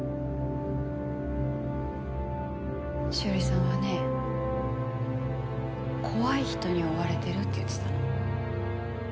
栞さんはね怖い人に追われてるって言ってたの。